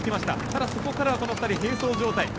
ただ、そこからこの２人並走状態。